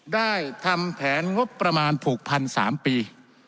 ได้ทำแผนงบประมาณผูกพัน๓ปี